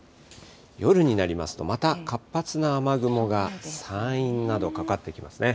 夜になりますと、また活発な雨雲が山陰などかかってきますね。